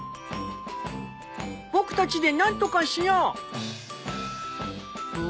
僕たちでなんとかしよう。